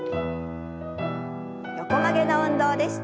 横曲げの運動です。